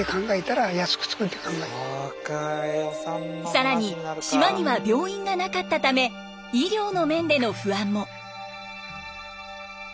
更に島には病院がなかったため医療の面での不安も。